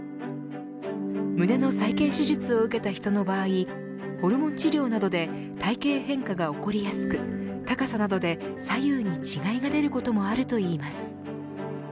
胸の再建手術を受けた人の場合ホルモン治療などで体型変化が起こりやすく高さなどで左右に違いが出ることもあるといいます。